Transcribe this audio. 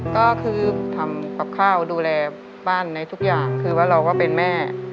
ก็คือทำกับข้าวดูแลบ้านในทุกอย่างคือว่าเราก็เป็นแม่